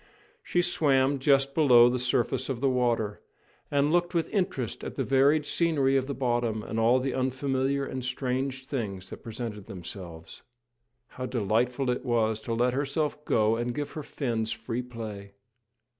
She swam just below the surface of the water, and looked with interest at the varied scenery of the bottom and all the unfamiliar and strange things that presented themselves. How delightful it was to let herself go and give her fins free play!